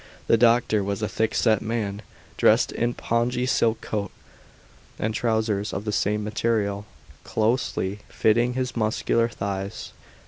The doctor was a thick set man, dressed in pongee silk coat and trousers of the same material, closely fitting his muscular thighs.